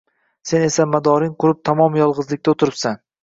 Sen esa madoring qurib, tamom yolgʻizlikda oʻtiribsan